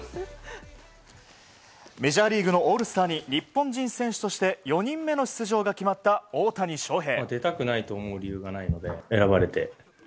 メジャーリーグのオールスターに日本人選手として４人目の出場が決まった大谷翔平。